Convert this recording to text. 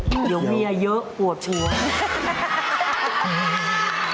เดี๋ยวเมียเยอะอวบชว